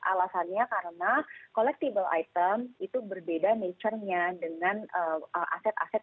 alasannya karena collectible item itu berbeda nature nya dengan aset aset